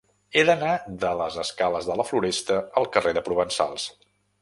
He d'anar de les escales de la Floresta al carrer de Provençals.